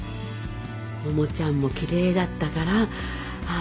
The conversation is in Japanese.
百ちゃんもきれいだったからああ